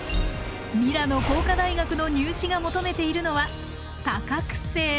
ミラノ工科大学の入試が求めているのは多角性。